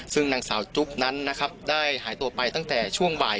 ซึ่งนางสาวจุ๊บนั้นนะครับได้หายตัวไปตั้งแต่ช่วงบ่าย